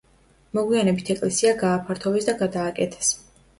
მოგვიანებით ეკლესია გააფართოვეს და გადააკეთეს.